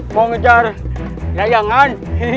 mau ngejar layangan